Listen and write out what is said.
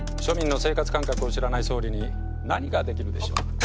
庶民の生活感覚を知らない総理に何が出来るでしょう？